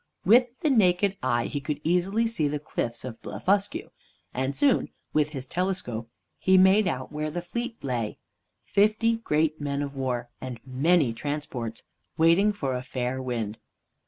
With the naked eye he could easily see the cliffs of Blefuscu, and soon with his telescope he made out where the fleet lay fifty great men of war, and many transports, waiting for a fair wind.